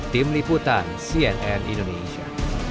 tim liputan cnn indonesia